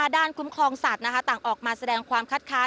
ด้านคุ้มครองสัตว์ต่างออกมาแสดงความคัดค้านว่าตัววรนุษฎนั้นสร้างปัญหาจริงหรือไม่